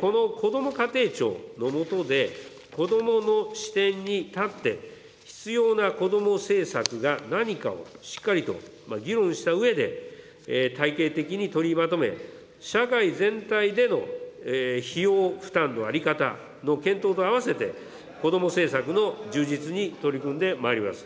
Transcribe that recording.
このこども家庭庁の下で、子どもの視点に立って、必要な子ども政策が何かをしっかりと議論したうえで、体系的に取りまとめ、社会全体での費用負担の在り方の検討と合わせて、子ども政策の充実に取り組んでまいります。